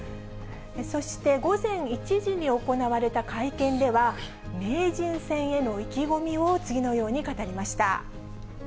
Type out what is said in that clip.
そして、午前１時に行われた会見では、名人戦への意気込みを次のように語りました。